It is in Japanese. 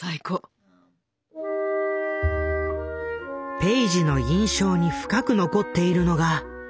ペイジの印象に深く残っているのがこの回。